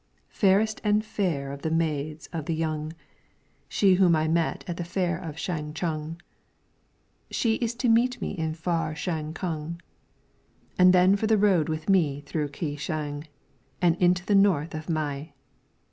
Fairest and fair of the maids of the Yung, c 19 LYRICS FROM THE CHINESE She whom I met at the fair of Sang chung, She is to meet me in far Shang kung, And then for the road with me through Ke shang, And into the north of Mei.